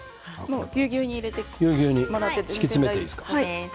ぎゅうぎゅうに敷き詰めていいですか？